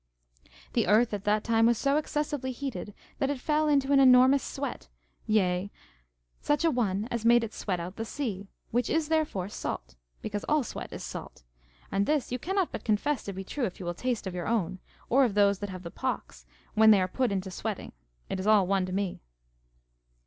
The earth at that time was so excessively heated that it fell into an enormous sweat, yea, such a one as made it sweat out the sea, which is therefore salt, because all sweat is salt; and this you cannot but confess to be true if you will taste of your own, or of those that have the pox, when they are put into sweating, it is all one to me.